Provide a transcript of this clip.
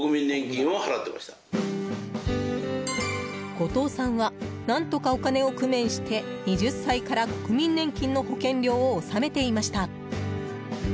後藤さんは何とかお金を工面して２０歳から国民年金の保険料を納めていました。